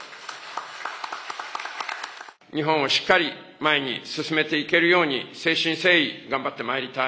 日本をしっかり前に進めていけるように誠心誠意頑張ってまいりたい。